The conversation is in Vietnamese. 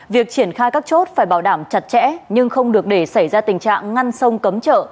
việc triển khai các chốt phải bảo đảm chặt chẽ nhưng không được để xảy ra tình trạng ngăn sông cấm chợ